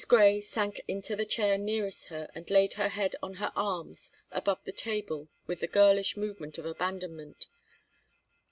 Grey sank into the chair nearest her and laid her head on her arms above the table with a girlish movement of abandonment.